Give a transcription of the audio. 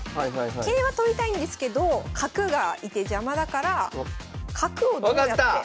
桂馬取りたいんですけど角が居て邪魔だから角をどうやって。